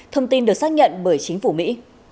thông tin được xác nhận bởi chính phủ mỹ